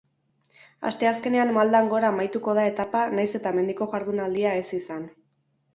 Asteazkenean maldan gora amaituko da etapa nahiz eta mendiko jardunaldia ez izan.